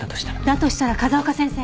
だとしたら風丘先生。